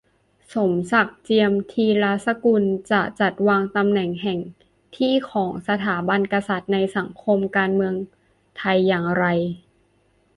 สมศักดิ์ เจียมธีรสกุล : จะจัดวางตำแหน่งแห่งที่ของสถาบันกษัตริย์ในสังคม-การเมืองไทยอย่างไร ?